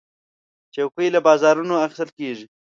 چوکۍ له بازارونو اخیستل کېږي.